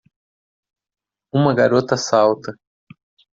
Uma garota salta.